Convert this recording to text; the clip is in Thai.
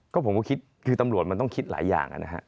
ก็ผมก็คิดคือตำรวจมันต้องคิดหลายอย่างนะฮะ